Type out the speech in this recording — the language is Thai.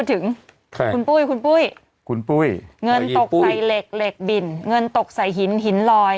ถึงคุณปุ้ยคุณปุ้ยคุณปุ้ยเงินตกใส่เหล็กเหล็กบินเงินตกใส่หินหินลอย